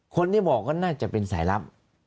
คนที่บอกว่าน่าจะเป็นสายลับ